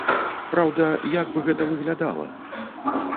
Праўда, як бы гэта выглядала?